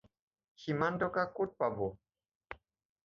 সিমান টকা ক'ত পাব